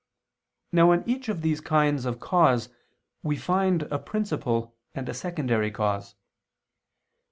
Now in each of these kinds of cause we find a principal and a secondary cause.